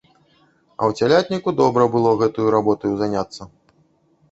А ў цялятніку добра было гэтаю работаю заняцца.